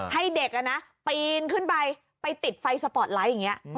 ให้เด็กปีนขึ้นไปไปติดไฟสปอร์ตไลท์อย่างนี้